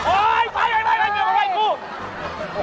โอ๊ยไปเดี๋ยวมาไว้กู